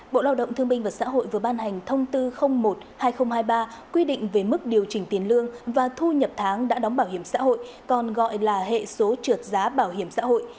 bộ lao động thương minh và xã hội vừa ban hành thông tư một hai nghìn hai mươi ba quy định về mức điều chỉnh tiền lương và thu nhập tháng đã đóng bảo hiểm xã hội còn gọi là hệ số trượt giá bảo hiểm xã hội